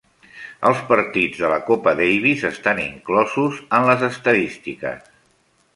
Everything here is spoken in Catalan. Els partits de la Copa Davis estan inclosos en les estadístiques.